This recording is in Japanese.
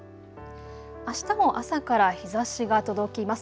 あしたも朝から日ざしが届きます。